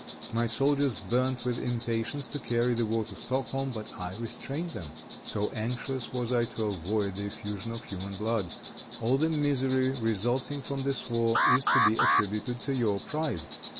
My soldiers burned with impatience to carry the war to Stockholm, but I restrained them; so anxious was I to avoid the effusion of human blood. All the misery resulting from this war, is to be attributed to your pride.